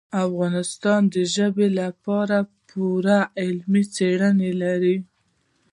افغانستان د ژبو په اړه پوره علمي څېړنې لري.